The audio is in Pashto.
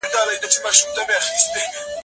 خشکیار او شاترینه هم د دې کتاب برخه وه.